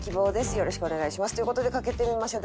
よろしくお願いします」という事でかけてみましょう。